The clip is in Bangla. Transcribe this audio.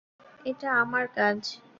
এটা আমার কাজ।